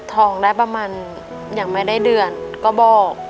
ทองได้ประมาณอย่างไม่ได้เดือนก็บอก